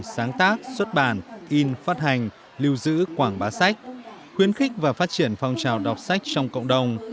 sáng tác xuất bản in phát hành lưu giữ quảng bá sách khuyến khích và phát triển phong trào đọc sách trong cộng đồng